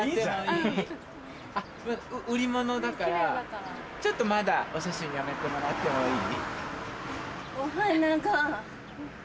売り物だからちょっとまだお写真やめてもらってもいい？